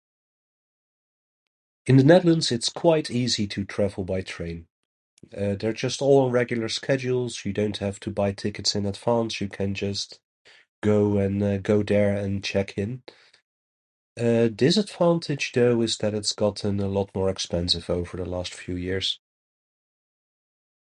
In the Netherlands it's quite easy to travel by train. Uh, they're just all on regular schedules, you don't have to buy tickets in advance, you can just go and, uh, go there and check in. Uh, disadvantage, though, is that it's gotten a lot more expensive over the last few years.